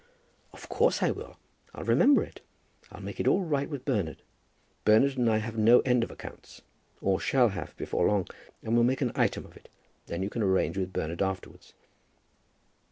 "Of course I will. I'll remember it. I'll make it all right with Bernard. Bernard and I have no end of accounts, or shall have before long, and we'll make an item of it. Then you can arrange with Bernard afterwards."